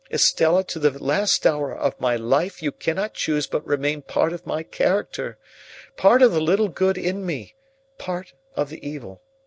Estella, to the last hour of my life, you cannot choose but remain part of my character, part of the little good in me, part of the evil.